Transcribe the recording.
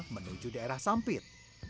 menuju daerah sampit